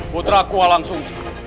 putraku alang sungsi